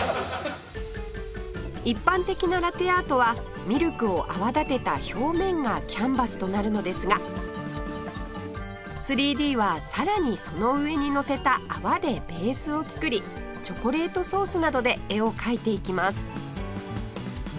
一般的なラテアートはミルクを泡立てた表面がキャンバスとなるのですが ３Ｄ はさらにその上にのせた泡でベースを作りチョコレートソースなどで絵を描いていきます